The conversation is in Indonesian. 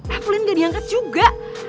evelyn gak diangkat juga